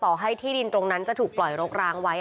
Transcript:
ต่อให้ที่ตรงนั้นจะถูกปล่อยโรครางไว้